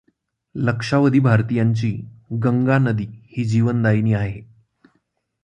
लक्षावधी भारतीयांची गंगा नदी ही जीवनदायिनी आहे.